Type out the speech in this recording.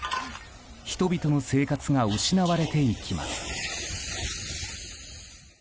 人々の生活が失われていきます。